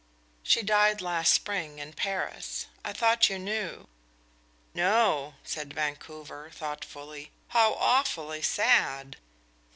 "She died last spring, in Paris. I thought you knew." "No," said Vancouver, thoughtfully. "How awfully sad!"